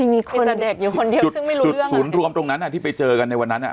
มีคุณณเดชน์อยู่คนเดียวซึ่งไม่รู้เรื่องศูนย์รวมตรงนั้นที่ไปเจอกันในวันนั้นอ่ะ